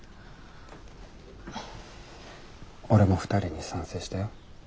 俺も２人に賛成したよ。